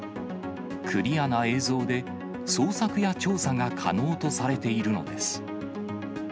クリアな映像で、捜索や調査が可能とされているのです。